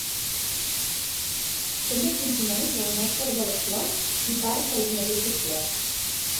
També consumeix el nèctar de les flors i parts de les mateixes flors.